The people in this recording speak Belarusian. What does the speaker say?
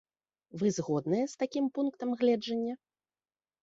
Вы згодныя з такім пунктам гледжання?